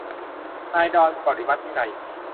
นายดอน ปรมัตถ์วินัย